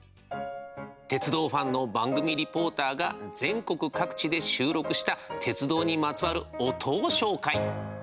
鉄道ファンの番組リポーターが全国各地で収録した鉄道にまつわる「音」を紹介。